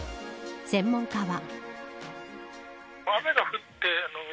専門家は。